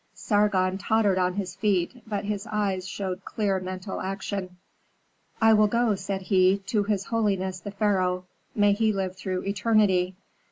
Sargon tottered on his feet, but his eyes showed clear mental action. "I will go," said he, "to his holiness the pharaoh, may he live through eternity!